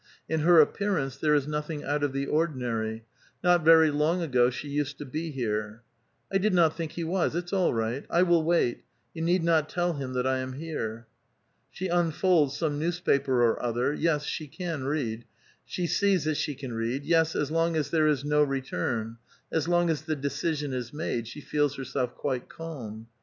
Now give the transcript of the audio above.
In her appearance there is nothing out of the ordinary* ; not very long ago she used to be here. "I did not think he was; it's all right; I will wait; you need not tell him that I am here." She unfolds some newspaper or other — yes, she can read ; she sees that she can read ; yes, as long as there is "no re turn "; as long as the decision is made, she feels herself quite calm.